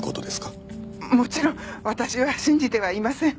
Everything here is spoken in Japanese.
もちろん私は信じてはいません。